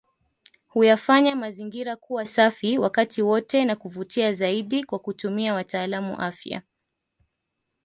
Huyafanya mazingira kuwa safi wakati wote na kuvutia zaidi Kwa kutumia watalaamu afya